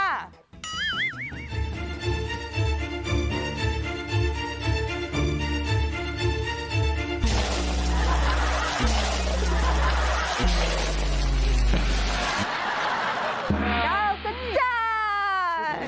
ดาวกระจาย